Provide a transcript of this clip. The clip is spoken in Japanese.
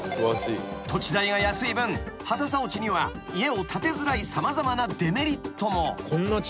［土地代が安い分旗竿地には家を建てづらい様々なデメリットも］